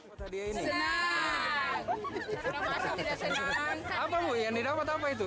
apa yang didapat apa itu